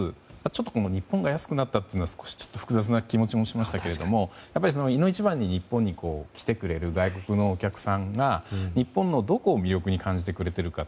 ちょっと日本が安くなったというのは少しちょっと複雑な気もしましたけどいの一番に日本に来てくれる外国のお客さんが日本のどこを魅力に感じてくれているか。